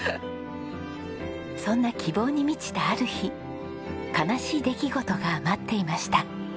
そんな希望に満ちたある日悲しい出来事が待っていました。